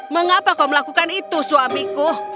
mengapa kau melakukan itu suamiku